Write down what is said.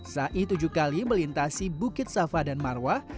sa'i tujuh kali melintasi bukit safa dan marwah